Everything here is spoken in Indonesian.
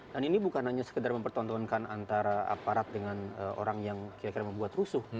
dan ini bukan hanya sekedar mempertontonkan antara aparat dengan orang yang kira kira membuat rusuh